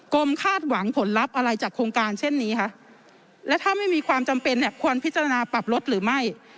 คาดหวังผลลัพธ์อะไรจากโครงการเช่นนี้คะและถ้าไม่มีความจำเป็นเนี่ยควรพิจารณาปรับลดหรือไม่